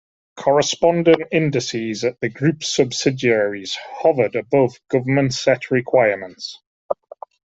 Corresponding indices at the Group's subsidiaries hovered above government-set requirements.